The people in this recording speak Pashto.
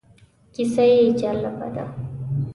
کیسه یې جالبه ده.